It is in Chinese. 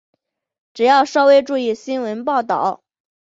只要稍微注意新闻报导